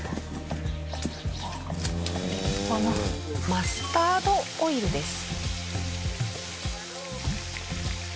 マスタードオイルです。